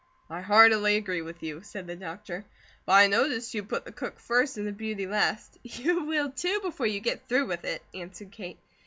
"I heartily agree with you," said the doctor. "But I notice you put the cook first and the beauty last." "You will, too, before you get through with it," answered Kate.